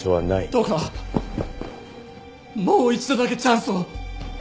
どうかもう一度だけチャンスを！